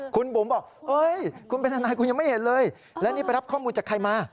คุณบุ๋มบอกคุณเป็นทนายคุณยังไม่เห็นเลยและนี่ไปรับข้อมูลจากใครมา